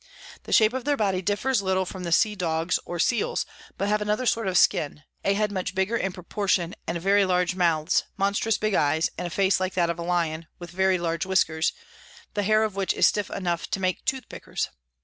The Shape of their Body differs little from the Sea Dogs or Seals, but have another sort of Skin, a Head much bigger in proportion, and very large Mouths, monstrous big Eyes, and a Face like that of a Lion, with very large Whiskers, the Hair of which is stiff enough to make Tooth pickers.